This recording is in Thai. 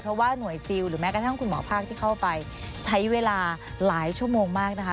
เพราะว่าหน่วยซิลหรือแม้กระทั่งคุณหมอภาคที่เข้าไปใช้เวลาหลายชั่วโมงมากนะคะ